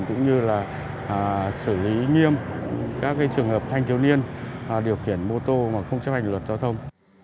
cũng như là xử lý nghiêm các trường hợp thanh thiếu niên điều khiển mô tô mà không chấp hành luật giao thông